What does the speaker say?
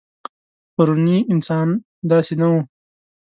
پروني انسان داسې نه و.